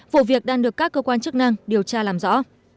vụ việc đang được các cơ quan chức năng điều tra làm rõ